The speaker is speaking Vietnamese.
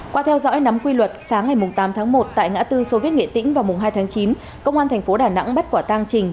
qua theo dõi nắm quy luật sáng ngày tám tháng một tại ngã tư soviet nghệ tĩnh vào mùng hai tháng chín công an thành phố đà nẵng bắt quả tang trình